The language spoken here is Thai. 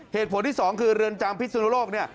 เหตุผลที่สองคือเรือนจำพิษสนุโลกนี่